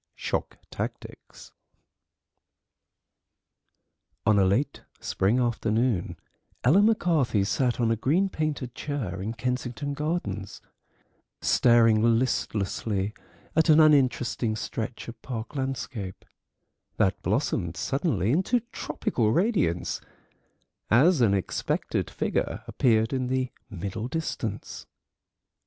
SHOCK TACTICS On a late spring afternoon Ella McCarthy sat on a green painted chair in Kensington Gardens, staring listlessly at an uninteresting stretch of park landscape, that blossomed suddenly into tropical radiance as an expected figure appeared in the middle distance.